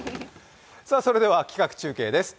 それでは、企画中継です。